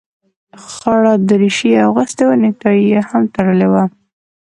خړه دريشي يې اغوستې وه نيكټايي يې هم تړلې وه.